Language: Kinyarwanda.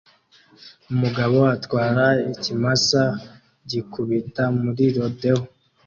Umugabo atwara ikimasa gikubita muri rodeo